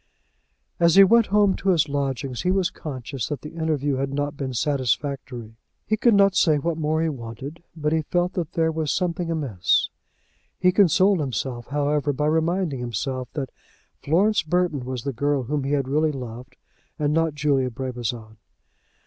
As he went home to his lodgings he was conscious that the interview had not been satisfactory. He could not say what more he wanted, but he felt that there was something amiss. He consoled himself, however, by reminding himself that Florence Burton was the girl whom he had really loved, and not Julia Brabazon.